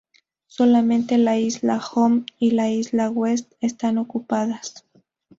Solamente la isla Home y la isla de West están ocupadas.